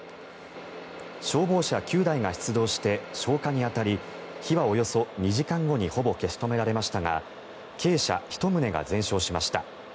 消防車９台が出動して消火に当たり火はおよそ２時間後にほぼ消し止められましたが鶏舎１棟が全焼しました。